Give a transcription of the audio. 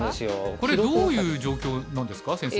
これどういう状況なんですか先生。